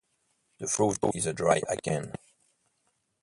The fruit is a dry achene.